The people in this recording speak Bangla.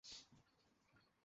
এরপর কী করব?